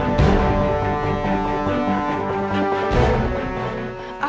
kau akan mengetahuinya